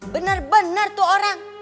benar benar tuh orang